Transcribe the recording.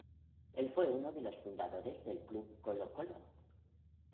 Éste fue uno de los fundadores del club Colo-Colo.